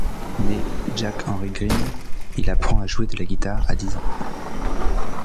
Né Jack Henry Greene, il apprend à jouer de la guitare à dix ans.